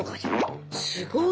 すごいね。